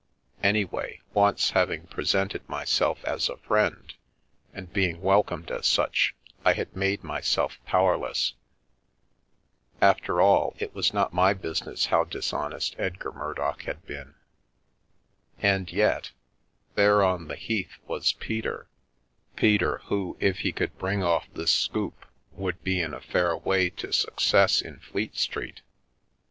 Anyway, once having presented myself as a friend, and being welcomed as such, I had made my self powerless. After all, it was not my business how dishonest Edgar Murdock had been. And yet — there on the Heath was Peter — Peter, who, if he could bring off this " scoop," would be in a fair way to success in Fleet Street.